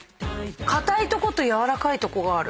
硬いとこと軟らかいとこがある。